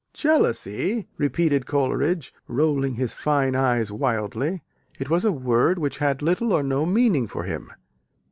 "Jealousy!" repeated Coleridge, rolling his fine eyes wildly. It was a word which had little or no meaning for him.